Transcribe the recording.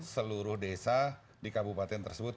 seluruh desa di kabupaten tersebut